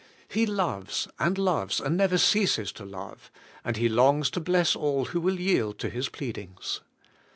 He loves, and loves, and never ceases to love; and He longs to bless all who will yield to His pleadings.